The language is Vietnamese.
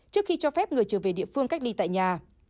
trước khi cho phép người trở về địa phương cách ly tại nhà